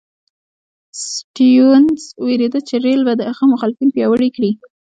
سټیونز وېرېده چې رېل به د هغه مخالفین پیاوړي کړي.